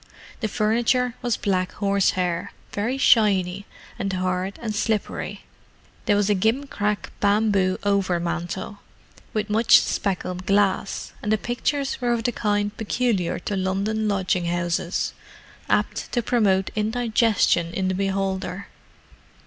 The furniture was black horsehair, very shiny and hard and slippery; there was a gimcrack bamboo overmantel, with much speckled glass, and the pictures were of the kind peculiar to London lodging houses, apt to promote indigestion in the beholder.